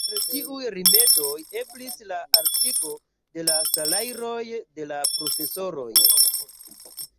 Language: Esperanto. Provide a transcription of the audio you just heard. Per tiuj rimedoj eblis la altigo de la salajroj de la profesoroj.